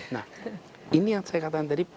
nah ini yang saya katakan tadi